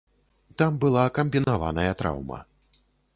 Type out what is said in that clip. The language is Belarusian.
Там была камбінаваная траўма.